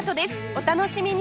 お楽しみに！